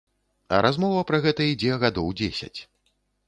А размова пра гэта ідзе гадоў дзесяць.